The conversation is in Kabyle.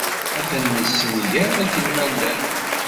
Ad ten-nessenger akken ma llan.